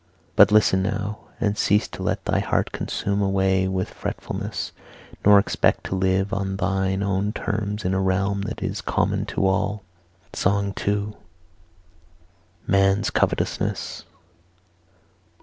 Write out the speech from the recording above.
But listen now, and cease to let thy heart consume away with fretfulness, nor expect to live on thine own terms in a realm that is common to all.' SONG II. MAN'S COVETOUSNESS.